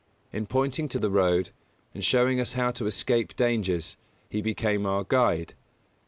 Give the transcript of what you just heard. In pointing to the road, in showing us how to escape dangers, he became our Guide.